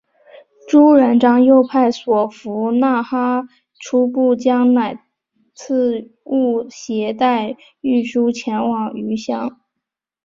朱元璋又派所俘纳哈出部将乃剌吾携带玺书前去谕降。